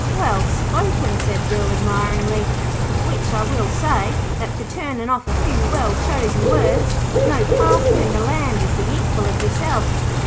'Well spoken,' said Bill, admiringly. 'Which I will say, that for turning off a few well chosen words no parson in the land is the equal of yourself.'